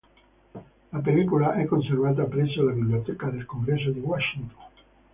La pellicola è conservata presso la Biblioteca del Congresso di Washington.